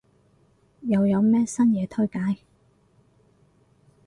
又有咩新嘢推介？